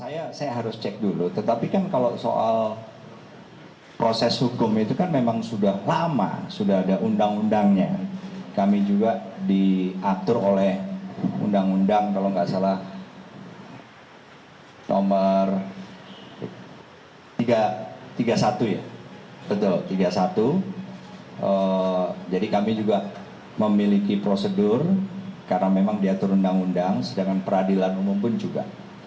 tiga puluh satu ya betul tiga puluh satu jadi kami juga memiliki prosedur karena memang diatur undang undang sedangkan peradilan umum pun juga